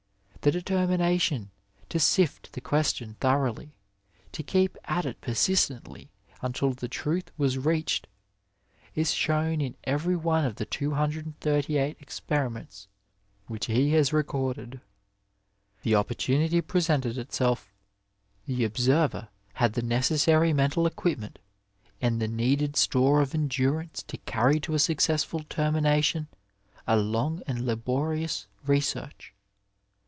The determination to sift the question thoroughly, to keep at it persistently until the truth was reached, is shown in every one of the 238 experiments which he has recorded. The opportunity presented itself, the observer had the necessary mental equipment and the needed store of endurance to carry to a successful termination a long and laborious research.